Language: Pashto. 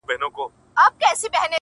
په يوه تاخته يې پى كړله مزلونه-